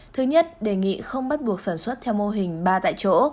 thứ nhất đề nghị không bắt buộc sản xuất theo mô hình ba tại chỗ